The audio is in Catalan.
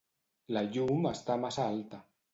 La llum està massa alta.